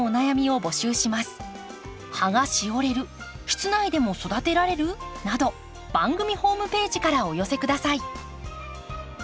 ここでお知らせです。など番組ホームページからお寄せ下さい。